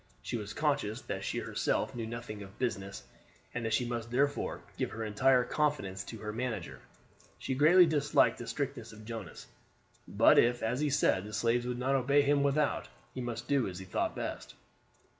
She was conscious that she herself knew nothing of business, and that she must therefore give her entire confidence to her manager. She greatly disliked the strictness of Jonas; but if, as he said, the slaves would not obey him without, he must do as he thought best.